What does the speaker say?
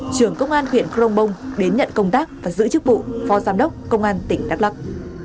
trưởng công an huyện crong bông đến nhận công tác và giữ chức vụ phó giám đốc công an tỉnh đắk lắc